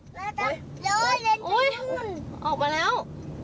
หยอดหยอดอุ๊ยออกมาแล้ว